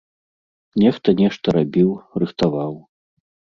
Нехта нешта рабіў, рыхтаваў.